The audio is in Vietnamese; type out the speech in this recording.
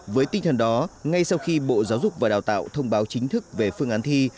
với tinh thần đó ngay sau khi bộ giáo dục và đào tạo thông báo chính thức về phương án thi